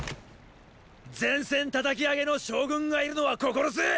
前線叩き上げの将軍がいるのは心強ェ！